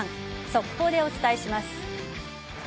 速報でお伝えします。